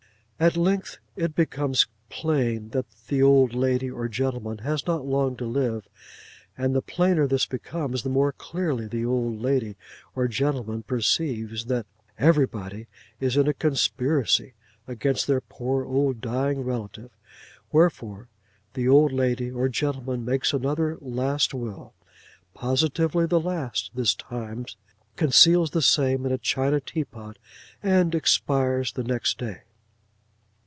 At length it becomes plain that the old lady or gentleman has not long to live; and the plainer this becomes, the more clearly the old lady or gentleman perceives that everybody is in a conspiracy against their poor old dying relative; wherefore the old lady or gentleman makes another last will—positively the last this time—conceals the same in a china teapot, and expires next day.